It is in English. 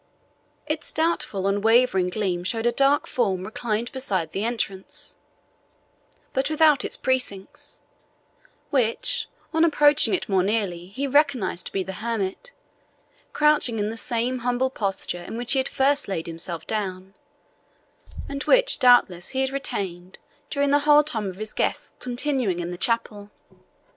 Its doubtful and wavering gleam showed a dark form reclined beside the entrance, but without its precincts, which, on approaching it more nearly, he recognized to be the hermit, crouching in the same humble posture in which he had at first laid himself down, and which, doubtless, he had retained during the whole time of his guest's continuing in the chapel.